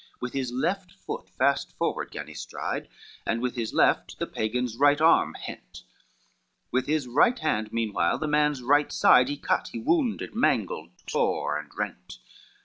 XVI With his left foot fast forward gan he stride, And with his left the Pagan's right arm bent, With his right hand meanwhile the man's right side He cut, he wounded, mangled, tore and rent.